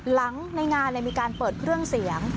ในงานมีการเปิดเครื่องเสียง